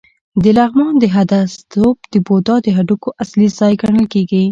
د لغمان د هده ستوپ د بودا د هډوکو اصلي ځای ګڼل کېږي